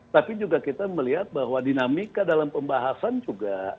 tapi juga kita melihat bahwa dinamika dalam pembahasan juga